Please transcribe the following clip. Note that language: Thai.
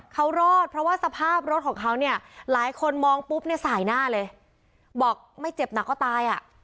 เขารอดเพราะว่าสภาพรถของเขาเนี่ยหลายคนมองปุ๊บเนี่ยสายหน้าเลยบอกไม่เจ็บหนักก็ตายอ่ะ